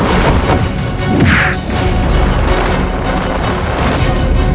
atau berada di dalam pop danke